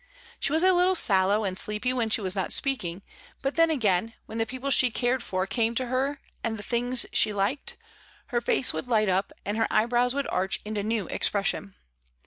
She was a little sallow and sleepy when she was not speaking, but then again, when the people she cared ^0 MRS. DYMDND. for came to her and the things she liked, her face would light up and her eyebrows would arch into new expression.